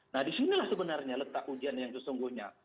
nah disinilah sebenarnya letak ujian yang sesungguhnya